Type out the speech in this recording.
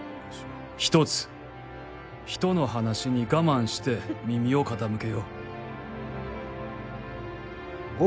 一つ人の話に我慢して耳を傾けよ。